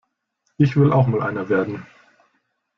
Ich will auch mal einer werden.